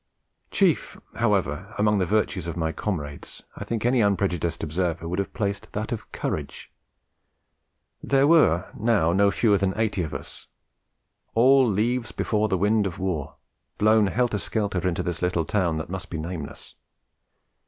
Chief, however, among the virtues of my comrades, I think any unprejudiced observer would have placed that of Courage. There were now no fewer than eighty of us, all leaves before the wind of war, blown helter skelter into this little town that must be nameless.